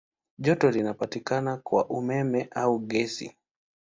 Joto linapatikana kwa umeme au gesi.